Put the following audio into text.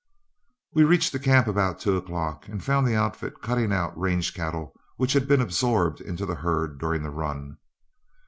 We reached the camp about two o'clock, and found the outfit cutting out range cattle which had been absorbed into the herd during the run.